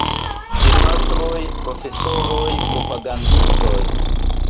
Gepatroj, Profesoroj, Propagandistoj!